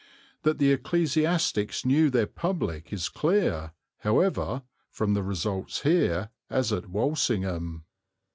That the ecclesiastics knew their public is clear, however, from the results here, as at Walsingham.